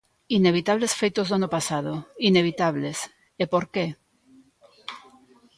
Inevitables feitos do ano pasado, inevitables ¿e por que?